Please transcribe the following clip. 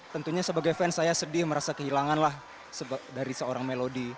tentunya sebagai fans saya sedih merasa kehilangan lah dari seorang melodi